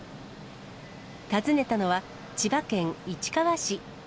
訪ねたのは、千葉県市川市。